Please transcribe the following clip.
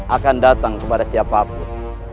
akan datang kepada siapapun